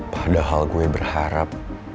padahal gue berharap